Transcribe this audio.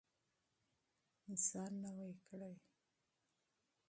ځان نوی کړئ.